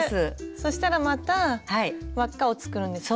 そしたらまた輪っかを作るんですよね。